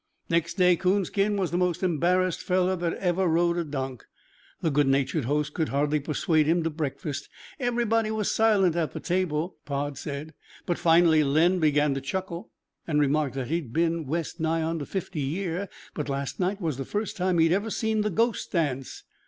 Next day Coonskin was the most embarrassed fellow that ever rode a donk. The good natured host could hardly persuade him to breakfast. Everybody was silent at the table, Pod said; but finally Len began to chuckle, and remarked that he'd been West nigh on to fifty year, but last night was the first time he had ever seen the ghost dance.